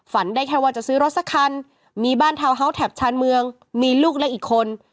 ได้แค่ว่าจะซื้อรถสักคันมีบ้านทาวน์เฮาสแท็บชานเมืองมีลูกและอีกคน